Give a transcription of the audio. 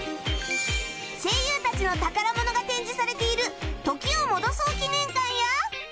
声優たちの宝物が展示されている時を戻そう記念館や